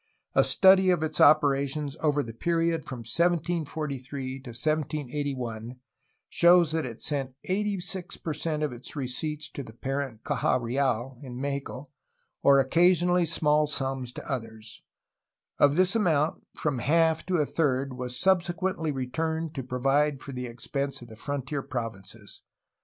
A study of its operations over the period from 1743 to 1781 shows that it sent 86 per cent of its receipts to the parent caja real in Mexico, or occasionally small sums to others. Of this amount from half to a third was subse quently returned to provide for the expense of the frontier provinces.